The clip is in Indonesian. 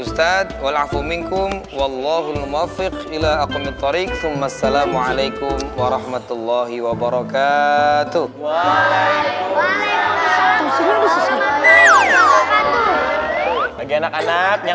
ustadz menghilang di lingkungan